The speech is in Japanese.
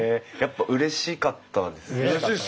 やっぱうれしかったですか？